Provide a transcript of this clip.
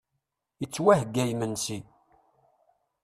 Ittwaheyya yimensi.